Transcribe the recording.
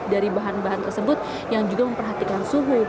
dari bahan bahan tersebut yang juga memperhatikan suhu